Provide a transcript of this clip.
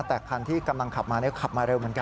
แต่คันที่กำลังขับมาขับมาเร็วเหมือนกัน